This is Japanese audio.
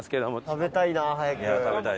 食べたいな早く。